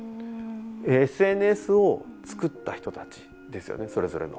ＳＮＳを作った人たちですよねそれぞれの。